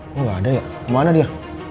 kok gaada ya kemana dia